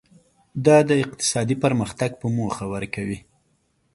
دا د اقتصادي پرمختګ په موخه ورکوي.